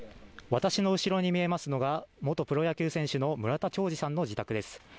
私の後ろに見えますのが元プロ野球選手の村田兆治さんの自宅です。